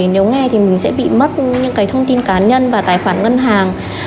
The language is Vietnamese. nếu nghe thì mình sẽ bị mất những thông tin cá nhân và tài khoản ngân hàng